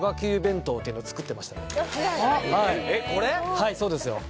はいそうですよ